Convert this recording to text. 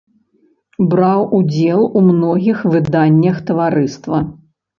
Браў удзел у многіх выданнях таварыства.